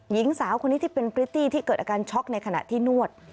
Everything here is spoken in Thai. หญิงสาวคนนี้ที่เป็นพริตตี้ที่เกิดอาการช็อกในขณะที่นวด